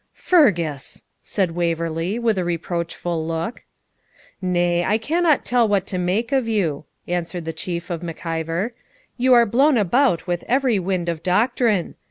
'Fergus!' said Waverley, with a reproachful look. 'Nay, I cannot tell what to make of you,' answered the Chief of Mac Ivor, 'you are blown about with every wind of doctrine.